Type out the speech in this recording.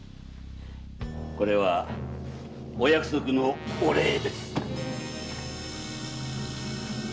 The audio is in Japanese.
これはお約束のお礼です。